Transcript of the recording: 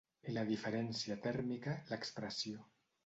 I la diferència tèrmica, l’expressió.